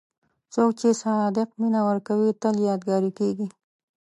څوک چې صادق مینه ورکوي، تل یادګاري کېږي.